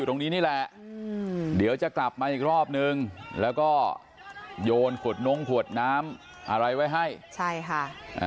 แต่พี่โน้นหาเชื่อมูกมือให้หน่อย